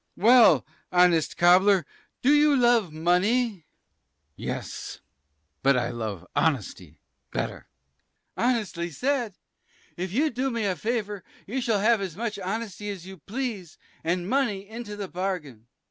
Well, honest cobbler. Do you love money? Cris. Yes; but I love honesty better Sir B. Honestly said. If you do me a favor, you shall have as much honesty as you please, and money into the bargain.